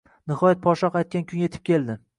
Nihoyat podshoh aytgan kun etib keldi